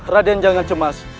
raden jangan cemas